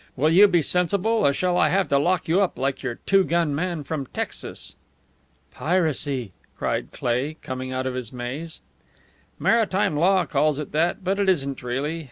Will you be sensible, or shall I have to lock you up like your two gun man from Texas?" "Piracy!" cried Cleigh, coming out of his maze. "Maritime law calls it that, but it isn't really.